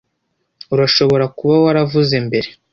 Urashobora kuba waravuze mbere.